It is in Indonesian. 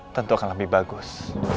tentu akan lebih bagus